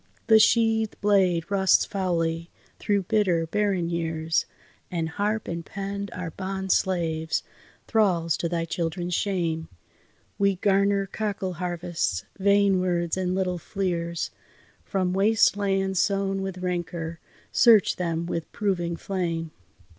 The sheathèd blade rusts foully, through bitter, barren years, And harp and pen are bond slaves, thralls to thy children's shame. We garner cockle harvests, vain words and little fleers. From waste lands sown with rancour, search them with proving flame!